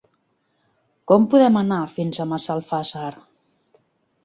Com podem anar fins a Massalfassar?